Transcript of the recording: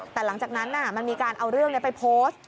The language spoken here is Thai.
แต่หลังจากนั้นมันมีการเอาเรื่องนี้ไปโพสต์